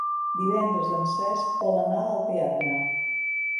Divendres en Cesc vol anar al teatre.